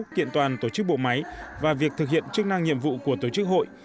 kiện toàn tổ chức bộ máy và việc thực hiện chức năng nhiệm vụ của tổ chức hội